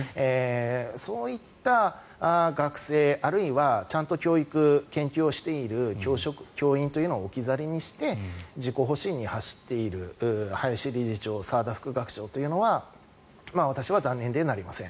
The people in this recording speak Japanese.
そういった学生あるいはちゃんと教育、研究をしている教員というのを置き去りにして自己保身に走っている林理事長、澤田副学長というのは私は残念でなりません。